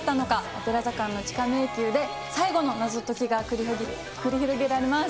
オペラ座館の地下迷宮で、最後の謎解きが繰り広げられます。